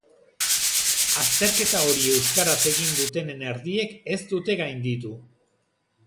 Azterketa hori euskaraz egin dutenen erdiek ez dute gainditu.